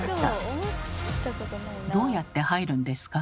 どうやって入るんですか？